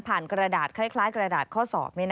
กระดาษคล้ายกระดาษข้อสอบ